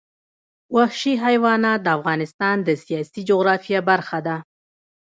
وحشي حیوانات د افغانستان د سیاسي جغرافیه برخه ده.